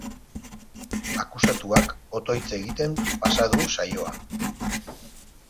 Akusatuak otoitz egiten pasa du saioa.